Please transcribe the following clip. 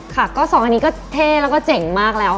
ค่ะก็สองอันนี้ก็เท่แล้วก็เจ๋งมากแล้ว